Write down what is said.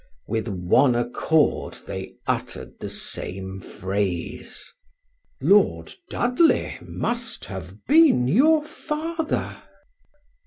With one accord they uttered the same phrase: "Lord Dudley must have been your father!"